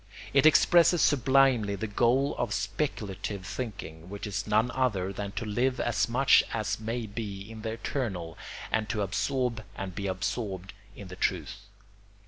It expresses sublimely the goal of speculative thinking; which is none other than to live as much as may be in the eternal and to absorb and be absorbed in the truth.